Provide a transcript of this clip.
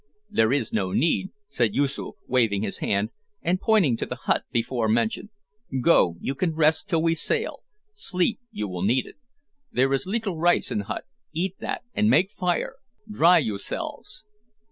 "There is no need," said Yoosoof, waving his hand, and pointing to the hut before mentioned. "Go; you can rest till we sail. Sleep; you will need it. There is littil rice in hut eat that, and make fire, dry youselfs."